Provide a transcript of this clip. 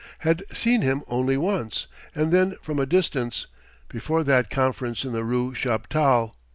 had seen him only once, and then from a distance, before that conference in the rue Chaptal.